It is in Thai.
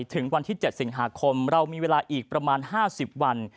ถึงวันที่๗สิงหาคมเรามีเวลาอีกประมาณ๕๐วัน